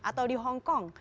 atau di hongkong